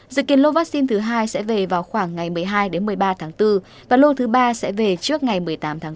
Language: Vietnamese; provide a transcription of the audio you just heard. dự kiến lô vaccine thứ hai sẽ về vào khoảng ngày một mươi hai một mươi ba tháng bốn và lô thứ ba sẽ về trước ngày một mươi tám tháng bốn